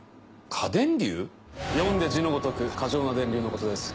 読んで字のごとく過剰な電流のことです。